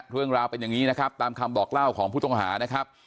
เรื่องราวเป็นอย่างนี้นะครับตามคำบอกเล่าของผู้ต้องหานะครับ